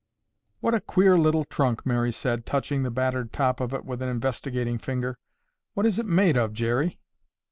"What a queer little trunk," Mary said, touching the battered top of it with an investigating finger. "What is it made of, Jerry?"